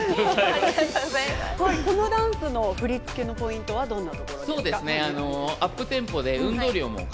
このダンスの振り付けのポイントは何ですか。